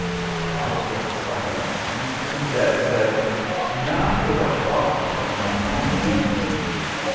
After a silence Miss Benedet said, "Now for the heart of my own weakness.